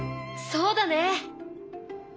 そうだね！